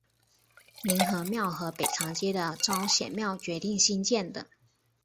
凝和庙和北长街的昭显庙决定兴建的。